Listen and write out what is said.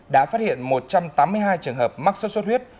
đã phát hiện một trăm tám mươi hai trường hợp mắc sốt xuất huyết